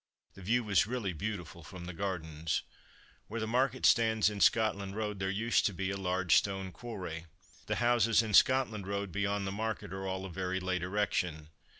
The view was really beautiful from the gardens. Where the market stands in Scotland road there used to be a large stone quarry. The houses in Scotland road beyond the market are all of very late erection.